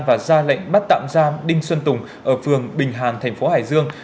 và ra lệnh bắt tạm giam đinh xuân tùng ở phường bình hàn thành phố hải dương